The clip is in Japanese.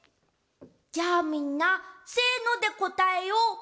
じゃあみんな「せの」でこたえよう。